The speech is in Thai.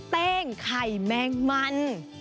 แป้งไข่แมงมัน